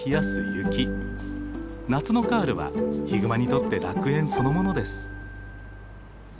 夏のカールはヒグマにとって楽園そのものです。